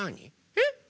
えっ？